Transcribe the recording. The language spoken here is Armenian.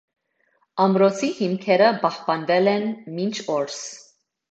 Ամրոցի հիմքերը պահպանվել են մինչ օրս։